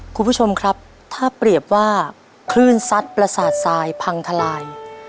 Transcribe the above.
คุณผู้ชมครับถ้าเปรียบว่าคลื่นซัดประสาททรายพังทลาย